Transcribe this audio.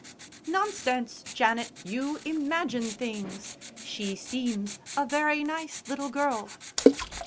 "Nonsense, Janet, you imagine things. She seems a very nice little girl."